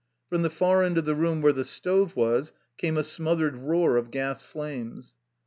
Prom the far end of the room where the stove was came a smothered roar of gas flames.